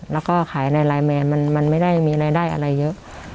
แล้วก็ขายในไลน์แมนมันไม่ได้มีรายได้อะไรเยอะ